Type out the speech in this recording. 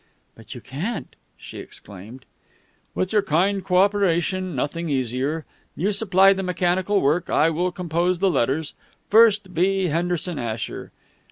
"But you can't!" she exclaimed. "With your kind cooperation, nothing easier. You supply the mechanical work. I will compose the letters. First, B. Henderson Asher.